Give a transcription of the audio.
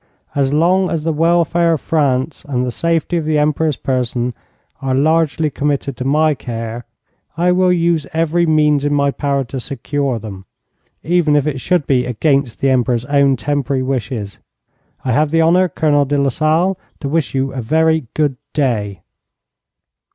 As long as the welfare of France and the safety of the Emperor's person are largely committed to my care, I will use every means in my power to secure them, even if it should be against the Emperor's own temporary wishes. I have the honour, Colonel de Lasalle, to wish you a very good day!'